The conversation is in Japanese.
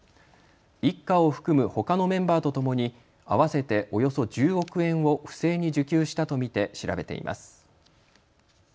一家を含むほかのメンバーとともに合わせておよそ１０億円を不正に受給したと見て調べています。